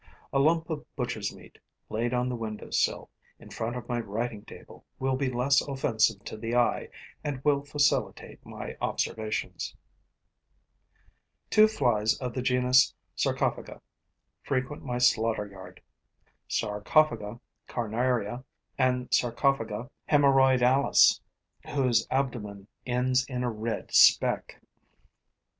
A lump of butcher's meat laid on the window sill, in front of my writing table, will be less offensive to the eye and will facilitate my observations. Two flies of the genus Sarcophaga frequent my slaughter yard: Sarcophaga carnaria and Sarcophaga haemorrhoidalis, whose abdomen ends in a red speck.